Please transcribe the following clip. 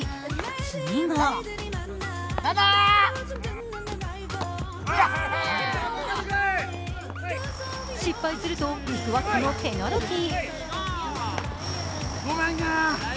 次は失敗するとスクワットのペナルティー。